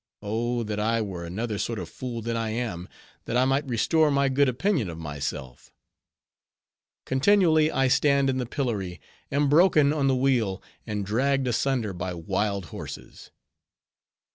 Oh! that I were another sort of fool than I am, that I might restore my good opinion of myself. Continually I stand in the pillory, am broken on the wheel, and dragged asunder by wild horses.